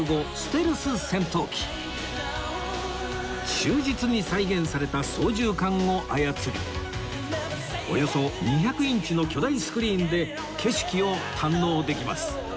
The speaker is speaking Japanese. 忠実に再現された操縦桿を操りおよそ２００インチの巨大スクリーンで景色を堪能できます